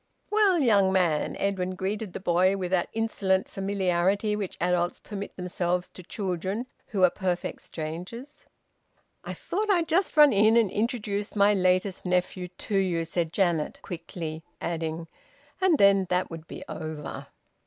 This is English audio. "Well, young man!" Edwin greeted the boy with that insolent familiarity which adults permit themselves to children who are perfect strangers. "I thought I'd just run in and introduce my latest nephew to you," said Janet quickly, adding, "and then that would be over."